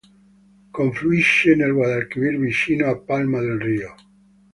Confluisce nel Guadalquivir vicino a Palma del Río.